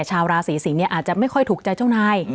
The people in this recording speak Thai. ชาวราศีสิงศ์เนี่ยอาจจะไม่ค่อยถูกใจเจ้านาย